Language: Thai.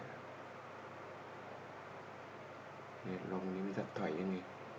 ลิ้งส์ล้มน้ำไม่ได้ไต้แล้ว